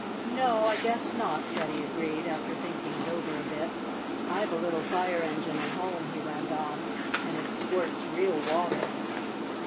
"No, I guess not," Freddie agreed, after thinking it over a bit. "I've a little fire engine at home," he went on, "and it squirts real water."